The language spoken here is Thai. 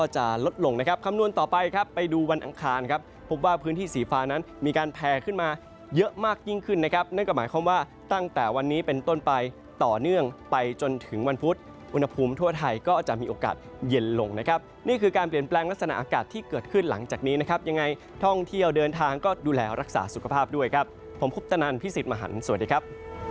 จนถึงวันพุธอุณหภูมิทั่วไทยก็จะมีโอกาสเย็นลงนะครับนี่คือการเปลี่ยนแปลงลักษณะอากาศที่เกิดขึ้นหลังจากนี้นะครับยังไงท่องเที่ยวเดินทางก็ดูแลรักษาสุขภาพด้วยครับผมพุทธนันทร์พี่สิทธิ์มหันสวัสดีครับ